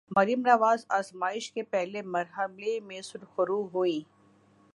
مریم نواز آزمائش کے پہلے مرحلے میں سرخرو ہوئیں۔